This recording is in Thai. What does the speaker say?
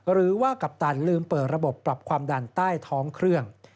กัปตันลืมเปิดระบบปรับความดันใต้ท้องเครื่อง